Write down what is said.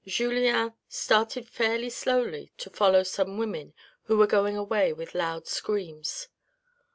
Julien started fairly slowly to follow some women who were going away with loud screams.